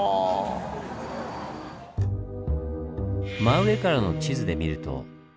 真上からの地図で見ると。